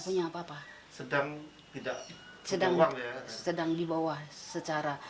hari ini topik bahasan kita mengembalikan malang sebagai barometer musik rock